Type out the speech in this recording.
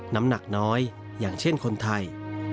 น้ำหนักน้อยอย่างเช่นคนไทย